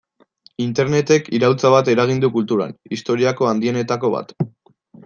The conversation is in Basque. Internetek iraultza bat eragin du kulturan, historiako handienetako bat.